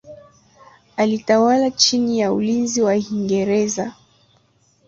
Alitawala chini ya ulinzi wa Uingereza.